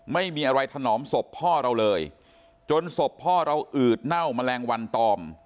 ไม่มีอะไรถนอมศพพ่อเราเลยจนศพพ่อเราอืดเน่าแมลงวันตอม